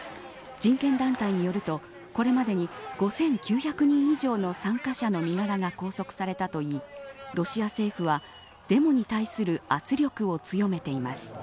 人権団体によるとこれまでに５９００人以上の参加者の身柄が拘束されたといいロシア政府はデモに対する圧力を強めています。